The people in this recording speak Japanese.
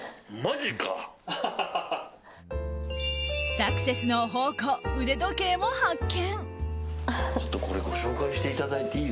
サクセスの宝庫腕時計も発見。